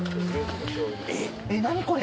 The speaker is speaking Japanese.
えっ何これ！